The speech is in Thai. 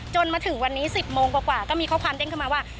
จนถึงวันนี้๑๐โมงกว่าก็มีข้อความเด้งเข้ามาว่า